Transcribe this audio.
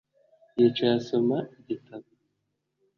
Yicaye asoma igitabo